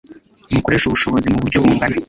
mukoreshe ubushobozi mu buryo bungana.